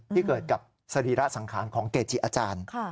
ที่เกิดกับสรีระสังขารของเกจิอาจารย์